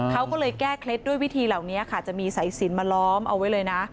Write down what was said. เขาก็เลยแก้เคล็ดด้วยวิธีเหล่านี้ค่ะจะมีสายสินมาล้อมเอาไว้เลยนะ